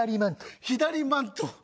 左マント。